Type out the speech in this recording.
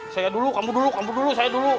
saya dulu kamu dulu kamu dulu saya dulu